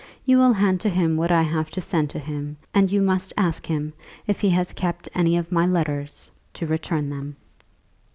"You will hand to him what I have to send to him; and you must ask him, if he has kept any of my letters, to return them."